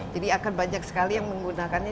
jadi akan banyak sekali yang menggunakannya